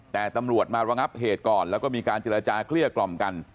แต่ตำรวจมาระงับเหตุก่อนแล้วก็มีการเจรจาเกลี้ยกล่อมกัน